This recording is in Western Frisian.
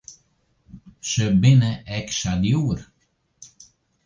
Se binne ek o sa djoer.